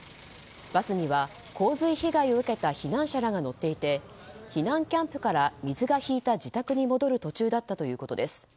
バスには洪水被害を受けた避難者らが乗っていて避難キャンプから水が引いた自宅に戻る途中だったということです。